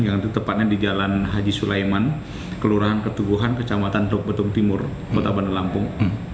yang tepatnya di jalan haji sulaiman kelurahan ketuguhan kecamatan truk betung timur kota bandar lampung